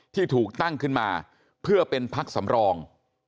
ที่ถูกตั้งขึ้นมาเพื่อเป็นพักสำรอง